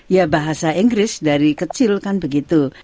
ya bahasa inggris dari kecil kan begitu